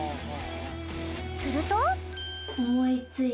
すると。